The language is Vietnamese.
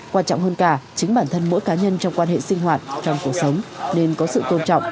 quan trọng hơn cả chính bản thân mỗi cá nhân trong quan hệ sinh hoạt trong cuộc sống nên có sự tôn trọng